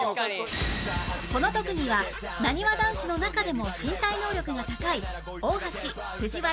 この特技はなにわ男子の中でも身体能力が高い大橋藤原